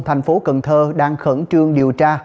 tp cn đang khẩn trương điều tra